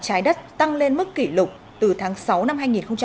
trái đất tăng lên mức kỷ lục từ tháng sáu năm hai nghìn hai mươi ba